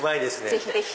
ぜひぜひ！